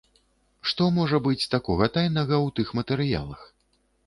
Што можа быць такога тайнага ў тых матэрыялах?